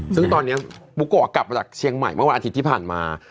ซึ่งตอนนี้บุโกะกลับมาจากเชียงใหม่เมื่อวันอาทิตย์ที่ผ่านมา